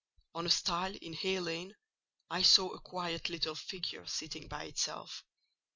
On a stile in Hay Lane I saw a quiet little figure sitting by itself.